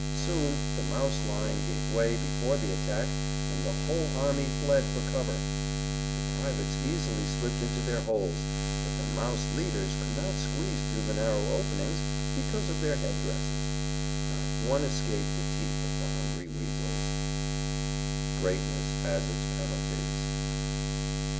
Soon the Mouse line gave way before the attack and the whole army fled for cover. The privates easily slipped into their holes, but the Mouse leaders could not squeeze through the narrow openings because of their head dresses. Not one escaped the teeth of the hungry Weasels. _Greatness has its penalties.